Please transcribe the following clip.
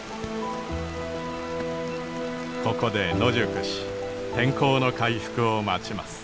ここで野宿し天候の回復を待ちます。